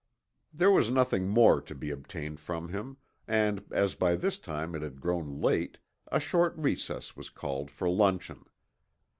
There was nothing more to be obtained from him and as by this time it had grown late a short recess was called for luncheon.